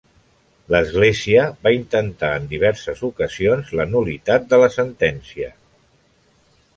L'Església va intentar en diverses ocasions la nul·litat de la sentència.